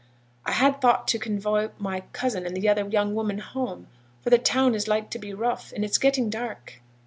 'I had thought to convoy my cousin and the other young woman home, for the town is like to be rough, and it's getting dark.'